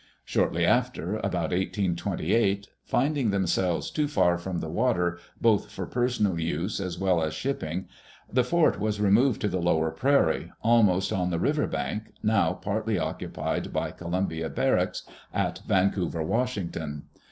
Shortly after, about 1828, finding themselves too far from the water, both for personal use as well as shipping, the fort was removed to the lower prairie, almost on the river bank, now partly occupied by Columbia Barracks, at Vancouver, Washington.